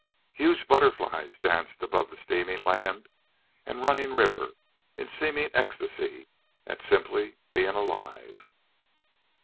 Huge butterflies danced above the steaming land and running river in seeming ecstasy at simply being alive.